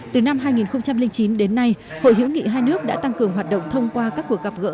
từ năm hai nghìn chín đến nay hội hữu nghị hai nước đã tăng cường hoạt động thông qua các cuộc gặp gỡ